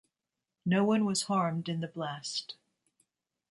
No one was harmed in the blast.